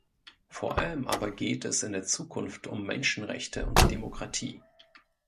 Vor allem aber geht es in der Zukunft um Menschenrechte und Demokratie.